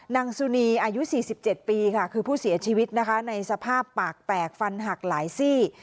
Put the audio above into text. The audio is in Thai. นางสุนีอายุ๔๗ปีค่ะคือผู้เสียชีวิตนะคะในสภาพปากแตกฟันหักหลายซี่